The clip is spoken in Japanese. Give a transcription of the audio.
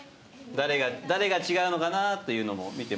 誰が違うのかなというのも見ても。